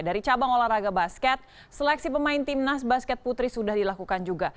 dari cabang olahraga basket seleksi pemain timnas basket putri sudah dilakukan juga